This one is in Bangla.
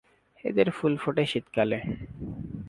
এদের ফুল ফোটে শীতকালে।